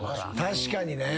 確かにね。